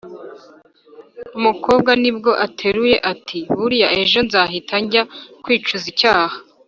umukobwa nibwo ateruye, ati "buriya ejo nzahita njya kwicuza icyaha